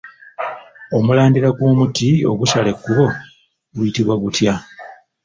Omulandira gw’omuti ogusala ekkubo guyitibwa gutya?